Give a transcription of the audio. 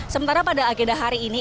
sementara pada agenda hari ini